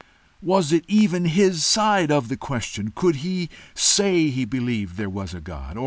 Was it even HIS side of the question? Could he say he believed there was a God?